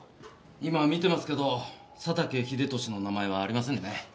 今見てますけど佐竹英利の名前はありませんね。